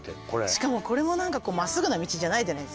しかもこれも真っすぐな道じゃないじゃないですか。